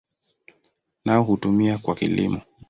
Nao hutumiwa kwa kilimo.